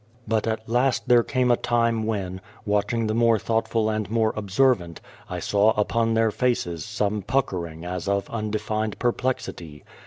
But at last there came a time when, watching the more thoughtful and more observant, I saw upon their faces some puckering as of undefined perplexity.